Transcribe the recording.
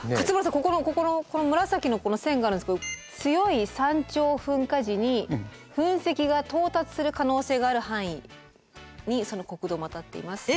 ここの紫のこの線があるんですけど「強い山頂噴火時に噴石が到達する可能性がある範囲」にその国道もあたっています。え！？